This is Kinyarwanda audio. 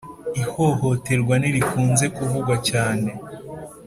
ihohoterwa ntirikunze kuvugwa cyane